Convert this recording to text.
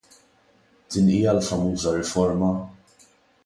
Din hija l-famuża riforma?